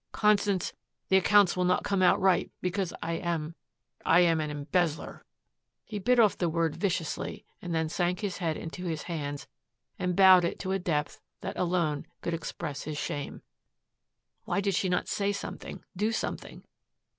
Constance, the accounts will not come out right because I am I am an embezzler." He bit off the word viciously and then sank his head into his hands and bowed it to a depth that alone could express his shame. Why did she not say something, do something?